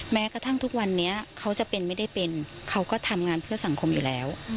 แม้กระทั่งทุกวันนี้เขาจะเป็นไม่ได้เป็นเขาก็ทำงานเพื่อสังคมอยู่แล้ว